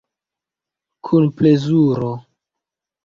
Kun plezuro.